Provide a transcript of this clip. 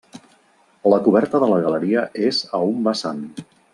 La coberta de la galeria és a un vessant.